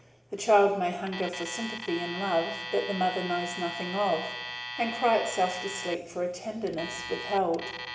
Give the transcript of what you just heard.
The child may hunger for sympathy and love that the mother knows nothing of, and cry itself to sleep for a tenderness withheld.